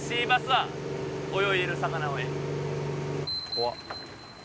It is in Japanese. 怖っ。